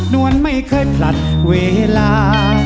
นวลไม่เคยผลัดเวลา